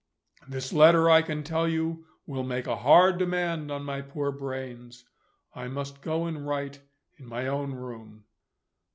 This letter, I can tell you, will make a hard demand on my poor brains I must go and write in my own room."